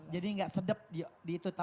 jadi enggak sedap di itu